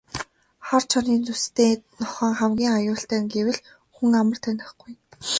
Хар чонын зүстэй нохойн хамгийн аюултай нь гэвэл хүн амар танихгүй.